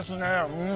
うん！